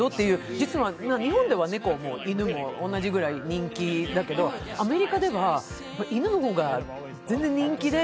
実は日本では猫も犬も同じくらい人気だけど、アメリカでは犬の方が全然人気で。